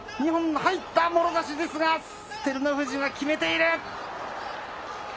入った、もろ差しですが、照ノ富士が決めている。